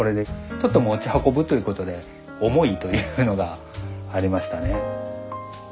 ちょっと持ち運ぶということで重いというのがありましたね。